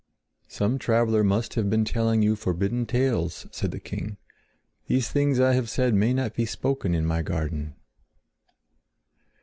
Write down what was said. "Some traveler must have been telling you forbidden tales," said the king. "These things I have said may not be spoken in my garden."